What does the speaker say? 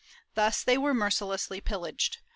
Thus they were mercilessly pillaged.